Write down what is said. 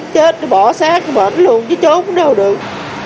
chết bỏ sát mệt luôn chứ trốn đâu được